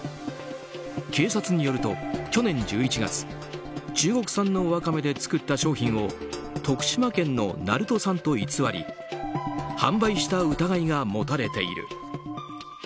警察によると去年１１月中国産のワカメで作った商品を徳島県の鳴門産と偽り販売した疑いが持たれている。